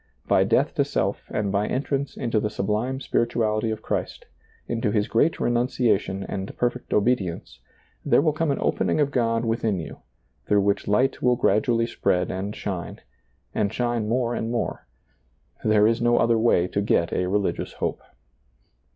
By death to self and by entrance into the sublime spirituality of Christ, into His great renunciation and perfect obedience, there will come an opening of God within you, through which light will gradually spread and ^lailizccbvGoOgle 96 SEEING DARKLY shine, and shine more and more; there is no other way to get a religious hope.